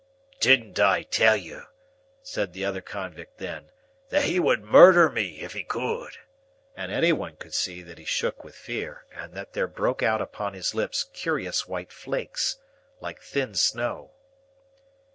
"Didn't I tell you," said the other convict then, "that he would murder me, if he could?" And any one could see that he shook with fear, and that there broke out upon his lips curious white flakes, like thin snow.